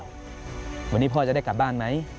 วันนี้พ่อจะได้กลับบ้านไหม